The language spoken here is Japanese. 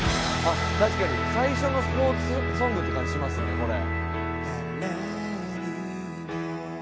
確かに最初のスポーツソングって感じしますねこれ。